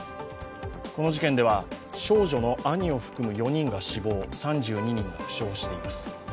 この事件では少女の兄を含む４人が死亡３２人が負傷しています。